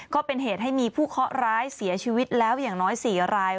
ก็เป็นเหตุให้มีผู้เคาะร้ายเสียชีวิตแล้วอย่างน้อย๔ราย